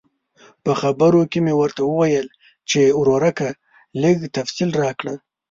په خبرو کې مې ورته وویل چې ورورکه لږ تفصیل راکړه.